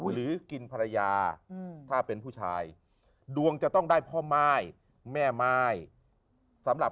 หรือกินภรรยาถ้าเป็นผู้ชายดวงจะต้องได้พ่อม่ายแม่ม่ายสำหรับ